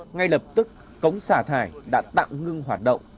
ngay lập tức cống xả thải đã tạm ngưng hoạt động